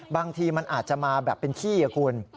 บางทีมันอาจจะมาแบบเป็นขี้คุณ